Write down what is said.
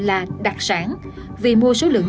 là đặc sản vì mua số lượng